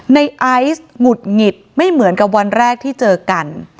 ในไอซ์หงุดหงิดไม่เหมือนกับวันแรกที่เจอกัน